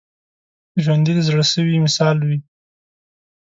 ژوندي د زړه سوي مثال وي